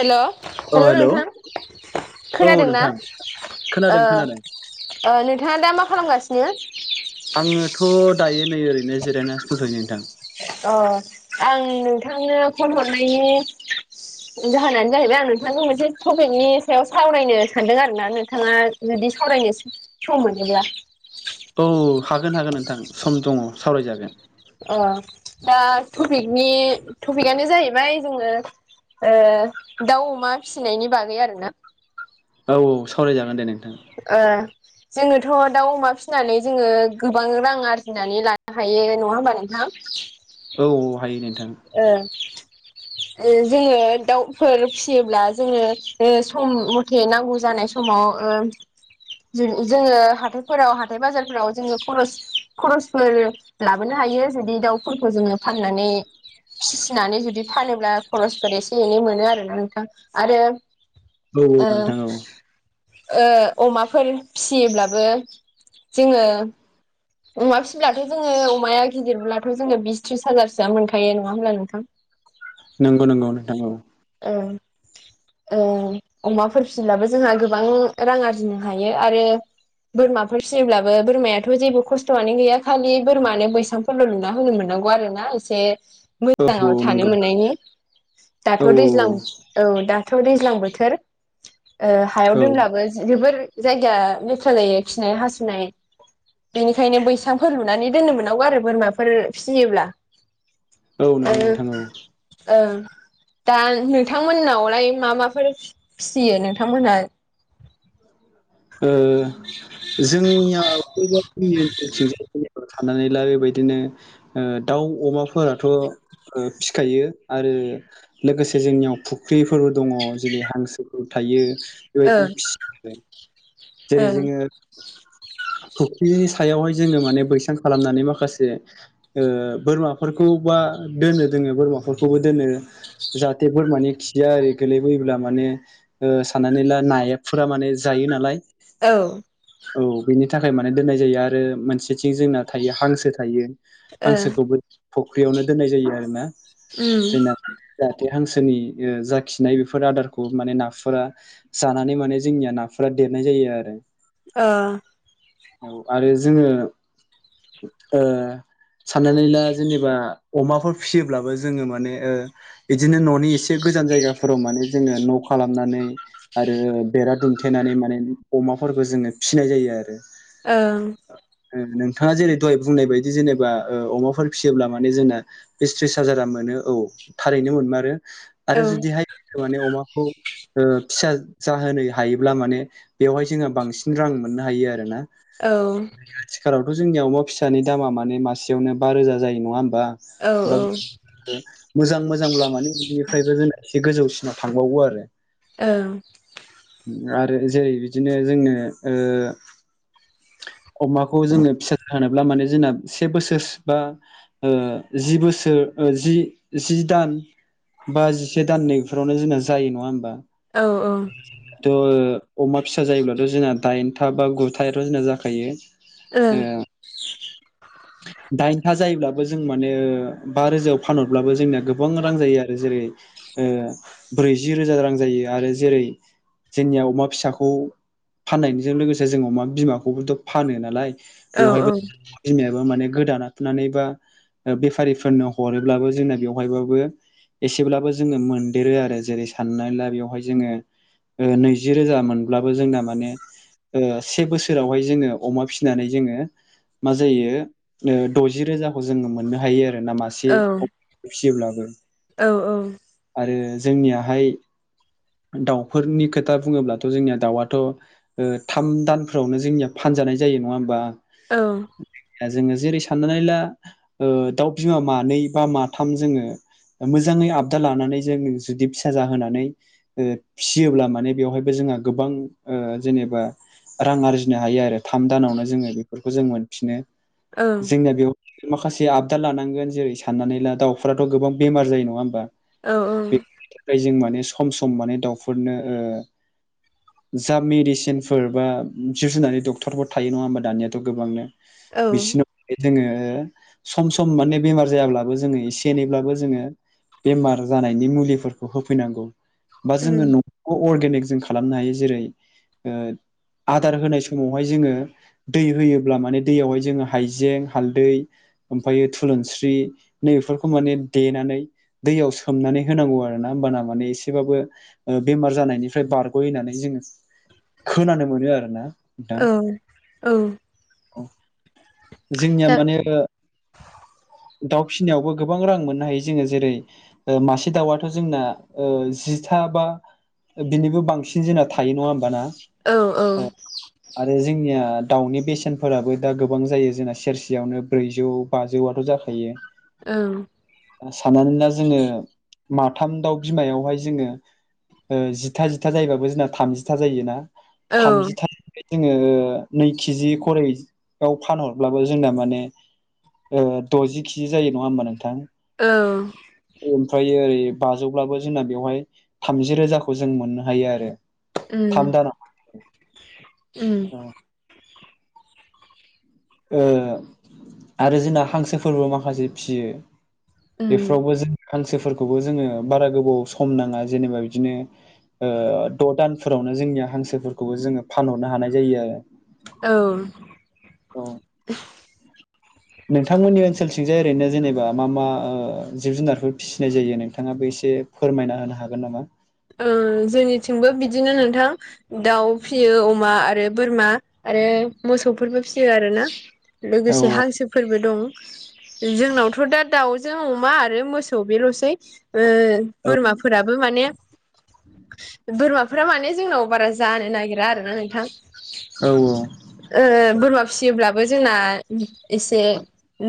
हेल' अ हेल' नोंथां। औ खोनादोंना? नोंथां ओ खोनादों खोनादों ओ नोंथाङा दा मा खालामगासिनो? आङोथ' दायो नै ओरैनो जिरायनानैसो थ'थयो नोंथां। अ आं नोंथांनो फन हरनायनि जाहोनानो जाहैबाय आं नोंथांनि मोनसे टपिकनि सायाव सावरायनो सानदों आरोना। नोंथाङा जुदि सावरायनो सम मोनोब्ला। औ हागोन हागोन नोंथां सम दङ सावरायजागोन। अ दा टपिकनि टपिकआनो जाहैबाय जोङो ओ दाउ अमा फिसिनायनि बागै आरो ना। औ औ सावरायजागोन दे नोंथां। ओ जोङोथ' दाउ अमा फिसिनानै जोङो गोबां रां आरजिनानै लानो हायो। नङा होमबा नोंथां? औ औ हायो नोंथां। ओ ओ जोङो दाउफोर फिसियोब्ला जोङो ओ सम खेनांगौ जानाय समाव ओ जों जोङो हाथायफोराव हाथाय बाजारफोराव जोङो खरस खरसफोर लाबोनो हायो जुदि दाउफोरखौ जोङो फाननानै फिसिनानै जुदि फानोब्ला खरसफोर एसे एनै मोनो आरोना नोंथां। आरो औ औ ओ नोंथां औ ओ अमाफोर फिसियोब्लाबो जोङो अमा फिसिब्लाथ' जोङो अमाया गिदिरब्लाथ' जोङो बिस थ्रिस हाजारसोआ मोनखायो नङा होनब्ला नोंथां? नोंगौ नोंगौ नोंथां औ। ओं। ओ अमाफोर फियोब्लाबो जोंहा गोबां रां आरजिनो हायो आरो बोरमाफोर फियोब्लाबो बोरमायाथ' जेबो खस्थ'आनो गैया खालि बोरमानो बैसां फोरल' लुना होनो मोननांगौ आरो ना एसे औ औ मोजाङाव नंगौ थानो मोननायनि। औ थ' दैज्लां औ दाथ' दैज्लां बोथोर हायाव औ दोनलाबो जोबोर जायगाया लेथ्रा जायो खिनाय हासुनाय। बिनिखायनो बैसांफोर लुनानै दोननो मोननांगौ आरो बोरमाफोर फिसियोब्ला। औ ओ नंगौ नोंथां औ ओं। दा नोंथांमोननावलाय मा माफोर फिसियो नोंथांमोनहा ओ जोंनियाव जोंनि ओनसोलथिं जाय थानानैल' बेबायदिनो दाउ अमाफोराथ' फिखायो आरो लोगोसे जोंनियाव फुख्रिफोरबो दङ जेरै हांसोफोर थायो ओं बेबायदिनो जेरै ओं जोङो [inaudible] फख्रिनि सायावहाय जोङो माने बैसां खालामनानै माखासे बोरमाफोरखौबा दोनो दोङो बोरमाफोरखौबो दोनो जाहाथे बोरमानि खिया आरो गोलैबोयोब्ला माने साननानै ला नाया फुरा माने जायो नालाय औ औ बेनि थाखाय माने दोननाय जायो आरो मोनसेथिं जोंना थायो हांसो थायो ओं हांसोखौबो फुख्रियावनो दोननाय जायो आरोना ओम जोंना जाहाथे हांसोनि जा खिनाय बेफोर आदारखौ माने नाफोरा जानानै माने जोंनिया नाफोरा देरनाय जायो आरो ओ औ आरो जोङो साननानै ला जेनेबा अमाफोर फिसियोब्लाबो जोङो माने बिदिनो न'नि एसे गोजान जायगाफोराव माने जोङो न' खालामनानै आरो बेरा दुम थेनानै माने अमाफोरखौ जोङो फिनाय जायो आरो ओं नोंथाङा जेरै दहाय बुंनाय बायदि जेनेबा अमाफोर फिसियोब्ला माने जोंना बिस थ्रिस हाजारा मोनो औ थारैनो मोनमारो आरो जुदिहाय माने अमाखौ फिसा जाहोनो हायोब्ला माने बेवहाय जोङो बांसिन रां मोननो हायो आरो ना औ आथिखालावथ' जोंनिया अमा फिसानि दामा माने मासेयावनो बा रोजा जायो नङा होमबा औ ओं हबा मोजां मोजांब्ला माने बिनिफ्रायबो जोंना एसे गोजौसिनाव थांबावो आरो ओ आरो जेरै बिदिनो जोंनो अमाखौ जोङो फिसा जाहोनोब्ला माने जोंनो से बोसोर बा जि बोसोर जि जि दान बा जि से दान इफोरावनो जोंना जायो नङा होमबा औ औ थ' अमा फिसा जायोब्लाथ' जोंना दाइनथा बा गुथायाथ' जोंना जाखायो औ ओं [inaudible] दाइनथा जायोब्लाबो जों माने बा रोजायाव फानहरब्लाबो जोंनिया गोबां रां जायो आरो जेरै ब्रैजि रोजा रां जायो आरो जेरै जोंनिया अमा फिसाखौ फाननायजों लोगोसे जों अमा बिमाखौबोथ' फानो नालाय औ बेवहायबो बिमायाबो माने गोदाना लानानै बा बेफारिफोरनो हरोबाबो जोंना बेवहायबाबो एसेब्लाबो जोङो मोनदेरो आरो जेरै साननानै ला बेवहाय जोङो नैजि रोजा मोनब्लाबो जोंना माने से बोसोरावहाय जोङो अमा फिसिनानै जोङो मा जायो दजि रोजाखौ जोङो मोननो हायो आरो नामा औ मासे फिसियोब्लाबो औ आरो जोंनियाहाय दाउफोरनि खोथा बुङोब्लाथ जोंनिया दाउआथ ओ थाम दानफोरावनो जोंनिया फानजानाय जायो नङा होमबा? औ दा जोङो जेरै साननानै ला ओ दाउ बिमा मानै बा माथाम जोङो मोजाङै आब दाल लानानै जों जुदि फिसा जाहोनानै ओ फिसियोब्ला माने बेवहायबो जोंहा ओ गोबां जेनेबा रां आरजिनो हायो आरो थाम दानावनो जोङो बेफोरखौ जों मोनफिनो जोंना बेयाव माखासे आबदा लानांगोन जेरै साननानै ला दाउफोराथ गोबां बेमार जायो नङा होमबा? बेनि थाखाय जों माने सम सम माने दाउफोरनो ओ जा मेडिसिनफोर बा जिब जुननानै डक्टरफोर थायो नङा होमबा दानियाथ गोबांनो बिसिनो जोङो सम सम माने बेमार जायाब्लाबो जोङो एसे एनैब्लाबो जोङो बेमार जानायनि मुलिफोरखौ होफैनांगौ बा जोङो न' बेखौ अर्गेनिक जों खालामनो हायो जेरै आदार होनाय समावहाय जोङो दै होयोब्ला माने दैयावहाय जोङो हाइजें हालदै ओमफ्राय थुलुंस्रि नै बेफोरखौ माने देनानै दैयाव सोमनानै होनांगौ आरो ना होमबाना माने एसेबाबो बेमार जानायनिफ्राय बारग'होननानै जोङो खोनानो मोनो आरो ना नोंथां औ ओं औ औ जोंनिया दा माने दाउ फिसिनायावबो गोबां रां मोननो हायो जोङो जेरै ओ मासे दाउआथ' जोंना जिथा बा बिनिबो बांसिन जोंना थायो नङा होमबाना? औ औ आरो जोंनिया दाउनि बेसेनफोराबो दा गोबां जायो जोंना सेरसेयावनो ब्रैजौ बाजौआथ' जाखायो। ओं सानानै ला जोङो माथाम दाउ बिमायावहाय जोङो जिथा जिथा जायोबाबो जोंना थामजिथा जायो ना। औ थामजिथाम जोङो नै केजि खरै औ फानहरब्लाबो जोंना माने द'जि केजि जायो नङा होमबा नोंथां? औ ओमफ्रायो ओरै बाजौब्लाबो जोंना बेवहाय थामजि रोजाखौ जों मोननो हायो आरो। उम थाम दानाव उम ओ आरो जोंना हांसोफोरबो माखासे फियो उम बेफोरावबो जों हांसोफोरखौबो जोङो बारा गोबाव सम नाङा जेनेबा बिदिनो ओ द' दानफोरावनो जोंनिया हांसोफोरखौबो जोङो फानहरनो हानाय जायो आरो। औ औ नोंथांमोननि ओनसोलथिंजाय ओरैनो जेनेबा मा मा जिब जुनारफोर सिनाय जायो नोंथाङाबो एसे फोरमायना होनो हागोन नामा? ओं जोंनिथिंबो बिदिनो नोंथां दाउ फिसियो अमा आरो बोरमा आरो मोसौफोरबो फिसियो आरोना। औ लोगोसे हांसोफोरबो दं जोंनावथ' दा दाउजों अमा आरो मोसौ बेल'सै ओ औ बोरमाफोराबो माने बोरमाफोरा माने जोंनाव बारा जानो नागिरा आरोना नोंथां। औ औ ओ बोरमा फियोब्लाबो जोंना एसे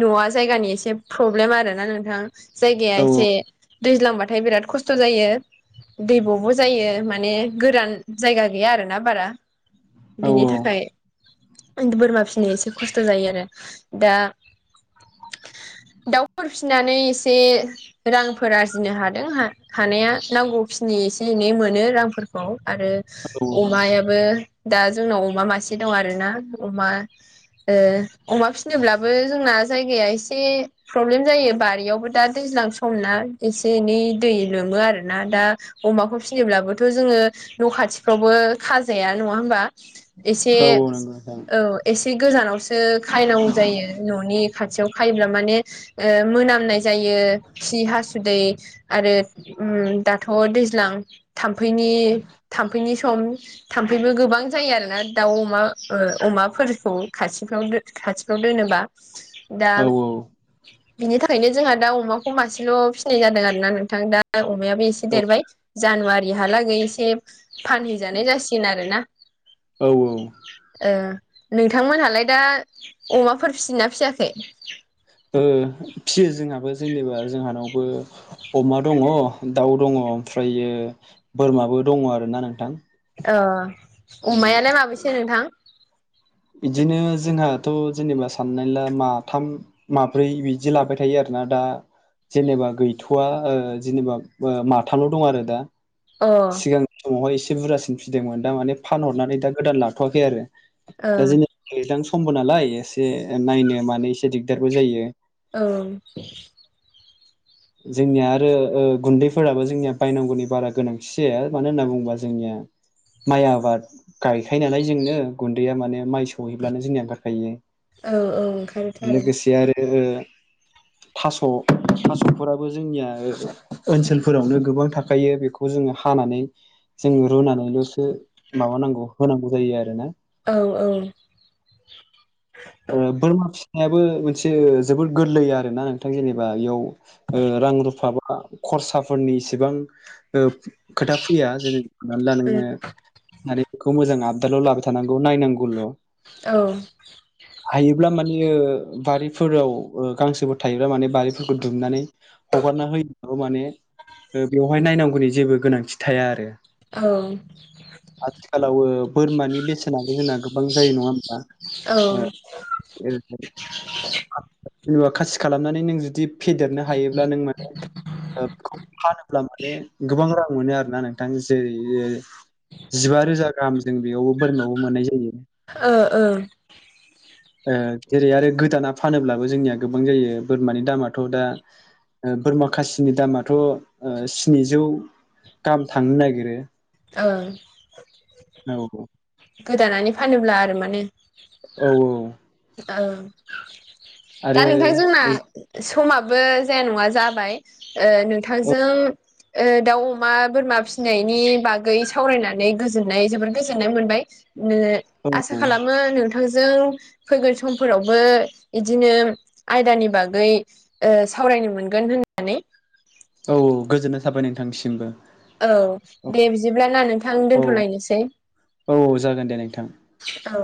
न'आ जायगानि एसे प्रब्लेम आरो ना नोंथां। जायगाया औ एसे दैज्लांबाथाय बिराद खस्थ' जायो। दैबब जायो माने गोरान जायगा गैया आरोना बारा। औ बिनि थाखाय बोरमा फिसिनाया एसे खस्थ' जायो आरो दा। दाउफोर फिसिनानै एसे रांफोर आरजिनो हादों हानाया नांगौ नि एसे एनै मोनो रांफोरखौ आरो औ अमाया बो दा जोंनाव अमा मासे दं आरोना अमा। अमा फिसिनोब्लाबो जोंना जायगाया एसे प्रब्लेम जायो बारियावबो दा दैज्लां समना एसे एनै दै लोमो आरोना दा अमाखौ फिसिनोब्लाबोथ' जोङो न' खाथिफ्रावबो खाजाया नङा होमबा। एसे औ नंगौ नोंथां औ। एसे गोजानावसो खायनांगौ जायो न'नि खाथियाव खायोब्ला माने मोनामनाय जायो खि हासुदै आरो दा थ' दैज्लां थामफैनि थाम्फैनि सम थाम्फैबो गोबां जायो आरोना दाउ अमा अमाफोरखौ खाथिफ्राव खाथिफ्राव दोनोबा दा औ औ बिनि थाखायनो जोंहा दा अमाखौ मासेल' फिसिनाय जादों आरोना नोंथां दा अमायाबो एसे औ देरबाय जानुवारिहालागै एसे फानहैजानाय जासिगोन आरोना। औ औ नोंथांमोनहालाय दा अमाफोर फिदोंना फियाखै। फियो जोंहाबो जेनेबा जोंहानावबो अमा दङ' दाउ दङ' ओमफ्रायो बोरमाबो दङ' आरोना नोंथां। उम अमायालाय माबेसे नोंथां। बिदिनो जोंहाथ' जेनेबा साननानै ला माथाम। माब्रै बिदि लाबाय थायो आरोना दा जेनेबा गैथ'वा जेनेबा माथाल' दं आरो दा। अ सिगांनि समावहाय एसे बुरजासिन फिदोंमोन दा माने फानहरनानै दा गोदान लाथ'वाखै आरो। दा जेनेबा दैज्लां समबो नालाय एसे नायनो मानो एसे दिगदारबो जायो। औ। जोंनिया आरो गुन्दैफोराबो जोंनिया बायनांगौनि बारा गोनांथि जाया मानो होनना बुङोबा जोंनिया माइ आबाद गायखायो नालाय जोंनो गुन्दैया माने माइ सौहैब्लानो जोंनिया ओंखारखायो। औ ओंखारोथारो लोगोसे आरो थास' थास'। थास'फोराराबो जोंनिया ओनसोलफोरावनो गोबां थाखायो बेखौ जोङो हानानै। जोंङो रुनानैल'सो माबानांगौ होनांगौ जायो आरो ना। औ औ। बोरमा फिसिनायाबो मोनसे जोबोर गोरलै आरोना नोंथां जेनेबा इयाव रां रुफा बा खरसाफोरनि इसिबां ओ खोथा फैया जेनेब्ला हमनानै ला नोङो आरो बेखौ मोजां आपदाल' लाबाय थानांगौ नायनांगौल'। औ। हायोब्ला माने बारिफोराव गांसोबो थायोब्ला माने बारिफोरखौ दुमनानै हगारना होयो माने बेवहाय नायनांगौनि जेबो गोनांथि थाया आरो। आथिखालाव बोरमानि बेसेनाबो जोंना गोबां जायो नङा होमब्ला। औ। औ नोंथां। जेनेबा खासि खालामनानै नों जुदि फेदेरनो हायोब्ला नों माने बे फानोब्ला माने गोबां रां मोनो आरो ना नोंथां। जेरै ओ जिबा रोजा गाहाम जों बेयावबो बोरमायावबो मोननाय जायो। ओ ओ जेरै आरो गोदाना फानोब्लाबो जोंनिया गोबां जायो बोरमानि दामाथ' दा बोरमा खासिनि दामाथ' ओ स्निजौ गाहाम थांनो नागिरो। ओ औ औ गोदानानै फानोब्ला आरो माने औ औ दा आरो नोंथां जोंना समाबो जाया नङा जाबाय ओ औ नोंथांजों ओ दाउ अमा बोरमा फिसिनायनि बागै सावरायनानै गोजोननाय जोबोर गोजोननाय मोनबाय। नो औ आसा खालामो नोंथांजों फैगोन समफोरावबो बिदिनो आयदानि बागै ओ सावरायनो मोनगोन होननानै औ गोजोननाय थाबाय नोंथांनिसिमबो। औ दे बिदिब्लाना नोंथां औ दोनथ'लायनोसै। औ जागोन दे नोंथां औ